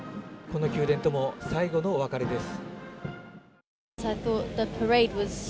この宮殿とも最後のお別れです